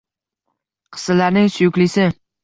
Qissalarning suyuklisi